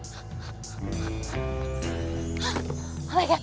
gak boleh terjadi oke